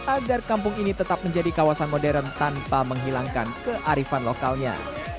agar kampung ini tetap menjadi kawasan modern tanpa menghilangkan kearifan lokalnya